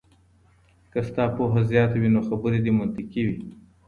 که ستا پوهه زياته وي نو خبري دې منطقي وي.